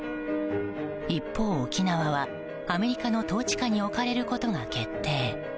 一方、沖縄はアメリカの統治下に置かれることが決定。